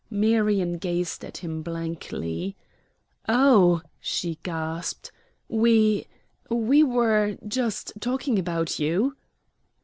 Marion gazed at him blankly: "Oh," she gasped, "we we were just talking about you."